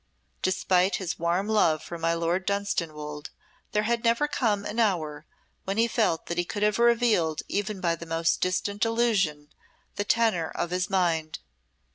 Despite his warm love for my Lord Dunstanwolde there had never come an hour when he felt that he could have revealed even by the most distant allusion the tenor of his mind.